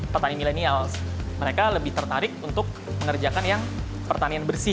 kita bisa memprediksi